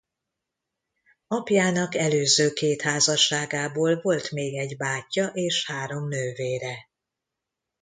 Apjának előző két házasságából volt még egy bátyja és három nővére.